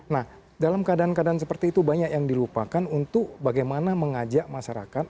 nah dalam keadaan keadaan seperti itu banyak yang dilupakan untuk bagaimana mengajak masyarakat